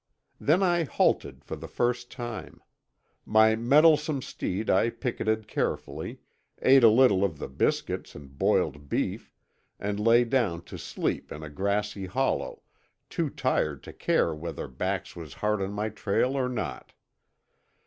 Then I halted for the first time. My mettlesome steed I picketed carefully, ate a little of the biscuits and boiled beef, and lay down to sleep in a grassy hollow, too tired to care whether Bax was hard on my trail or not.